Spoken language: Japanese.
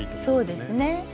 そうですね。